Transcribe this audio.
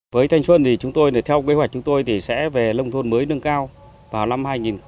với thanh xuân thì chúng tôi theo kế hoạch chúng tôi thì sẽ về nông thôn mới nâng cao vào năm hai nghìn hai mươi